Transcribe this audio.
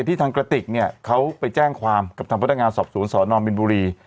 ที่ทางกระติกเขาไปแจ้งความกับทางพัฒนางานสอบศูนย์สอนอมบิลบุรี